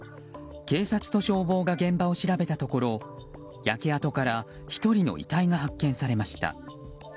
警察と消防が現場を調べたところ焼け跡から１人の遺体が発見されました。